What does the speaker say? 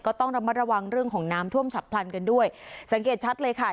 ก็ต้องระมัดระวังเรื่องของน้ำท่วมฉับพลันกันด้วยสังเกตชัดเลยค่ะ